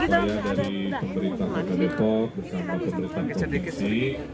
saya dari pemerintah wd depok bersama pemerintah komisi